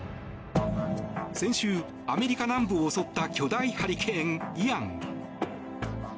先週、アメリカ南部を襲った巨大ハリケーン、イアン。